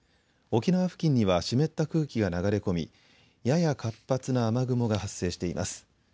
沖縄付近には湿った空気が流れ込みやや活発な雨雲が発生しています。